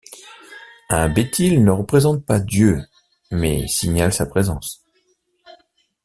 Un bétyle ne représente pas Dieu, mais signale sa présence.